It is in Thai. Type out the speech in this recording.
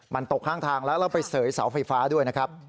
มันตกข้างทางแล้วแล้วไปเสยเสาไฟฟ้าด้วยนะครับ